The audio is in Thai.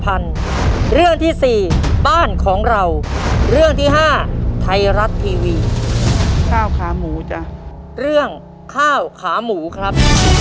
ขายข้าวขาหมูมากี่ปีแล้วครับ